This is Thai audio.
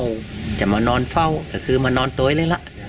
อันนี้เขาคือหูเห่าจะมานอนเฝ้าก็คือมานอนนไต่เลยนะ